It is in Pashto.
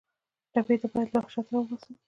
ټپي ته باید له وحشته راوباسو.